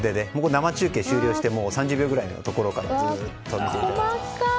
生中継終了して３０秒ぐらいのところからずっと。